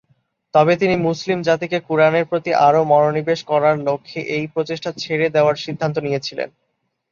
তবে তিনি মুসলিম জাতিকে কুরআনের প্রতি আরও বেশি মনোনিবেশ করার লক্ষ্যে এই প্রচেষ্টা ছেড়ে দেওয়ার সিদ্ধান্ত নিয়েছিলেন।